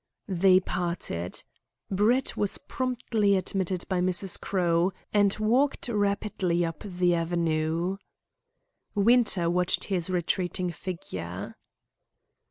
They parted. Brett was promptly admitted by Mrs. Crowe, and walked rapidly up the avenue. Winter watched his retreating figure.